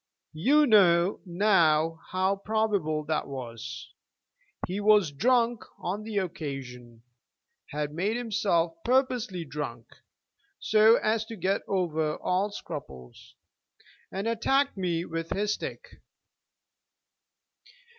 You know now how probable that was. He was drunk on the occasion, had made himself purposely drunk, so as to get over all scruples, and attacked me with his stick.